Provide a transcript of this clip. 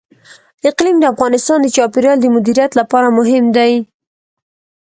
اقلیم د افغانستان د چاپیریال د مدیریت لپاره مهم دي.